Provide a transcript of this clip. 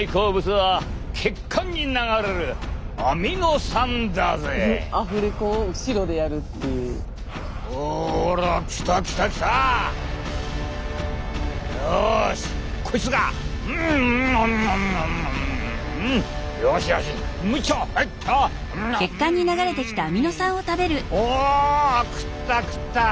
はあ食った食った！